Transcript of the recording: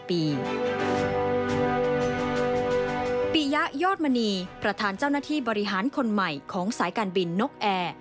ปียะยอดมณีประธานเจ้าหน้าที่บริหารคนใหม่ของสายการบินนกแอร์